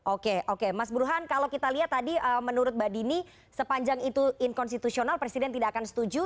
oke oke mas burhan kalau kita lihat tadi menurut mbak dini sepanjang itu inkonstitusional presiden tidak akan setuju